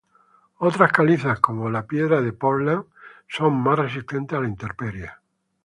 Otras calizas, como la Piedra de Portland, son más resistentes a la intemperie.